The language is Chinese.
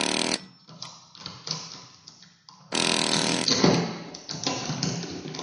曾平定宕昌羌之乱。